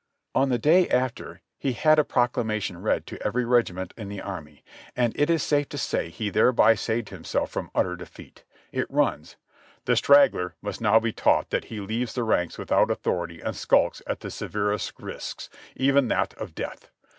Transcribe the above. On the day after, he had a proclamation read to every regiment in the army, and it is safe to say he thereby saved himself from utter defeat. It runs : "The straggler must now be taught that he leaves the ranks without authority and skulks at the severest risks, even that of death.